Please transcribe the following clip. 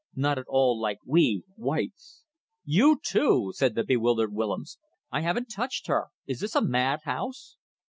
Not at all like we, whites." "You too!" said the bewildered Willems. "I haven't touched her. Is this a madhouse?"